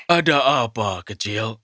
ada apa kecil